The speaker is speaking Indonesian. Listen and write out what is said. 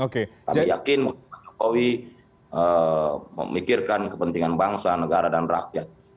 kami yakin pak jokowi memikirkan kepentingan bangsa negara dan rakyat